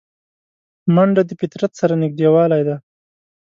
منډه د فطرت سره نږدېوالی دی